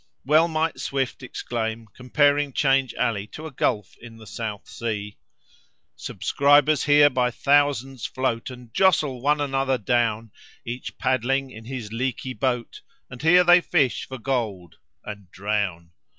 Well might Swift exclaim, comparing Change Alley to a gulf in the South Sea: "Subscribers here by thousands float, And jostle one another down, Each paddling in his leaky boat, And here they fish for gold and drown.